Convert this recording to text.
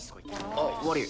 あっ悪ぃ。